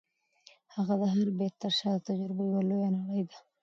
د هغه د هر بیت تر شا د تجربو یوه لویه نړۍ ده.